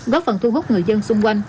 góp phần thu hút người dân xung quanh